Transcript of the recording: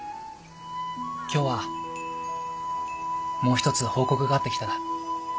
今日はもう一つ報告があって来ただ。